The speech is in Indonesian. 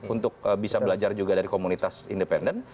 untuk bisa belajar juga dari komunitas independen